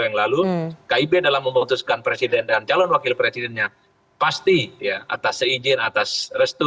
yang lalu kib dalam memutuskan presiden dan calon wakil presidennya pasti ya atas seizin atas restu